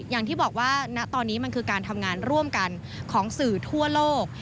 อย่างที่บอกว่าณตอนนี้มันคือการทำงานร่วมกันของสื่อทั่วโลก